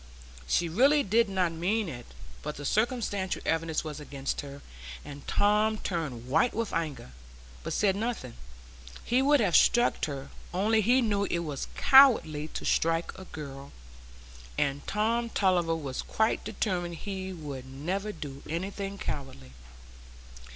She really did not mean it, but the circumstantial evidence was against her, and Tom turned white with anger, but said nothing; he would have struck her, only he knew it was cowardly to strike a girl, and Tom Tulliver was quite determined he would never do anything cowardly.